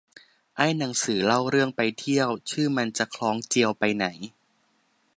ไอ้หนังสือเล่าเรื่องไปเที่ยว ชื่อมันจะคล้องเจียวไปไหน